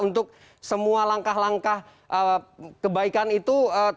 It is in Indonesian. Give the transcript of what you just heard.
untuk semua langkah langkah kebaikan itu